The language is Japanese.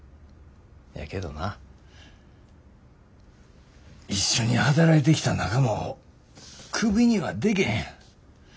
けどな一緒に働いてきた仲間をクビにはでけへん。